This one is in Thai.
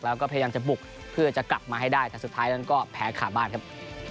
แล้วก็พยายามจะบุกเพื่อจะกลับมาให้ได้แต่สุดท้ายนั้นก็แพ้ขาบ้านครับ